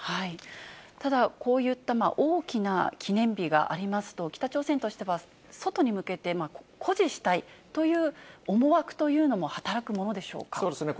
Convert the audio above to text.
ただ、こういった大きな記念日がありますと、北朝鮮としては、外に向けて誇示したいという思惑そうですね。